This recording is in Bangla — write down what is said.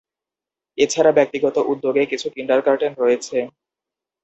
এছাড়া ব্যক্তিগত উদ্যোগে কিছু কিন্ডারগার্টেন রয়েছে।